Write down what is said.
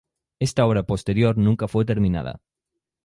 Este obra posterior nunca fue terminada.